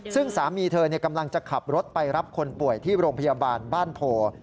ซึ่งสามีเธอกำลังจะขับรถไปรับคนป่วยที่โรงพยาบาลบ้านโพ